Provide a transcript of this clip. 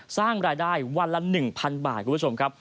สร้างรายได้วันละ๑๐๐บาทคุณผู้ชมครับ